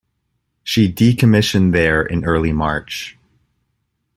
She decommissioned there in early March.